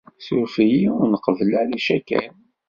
Ssuref-iyi, ur nqebbel ara icaken.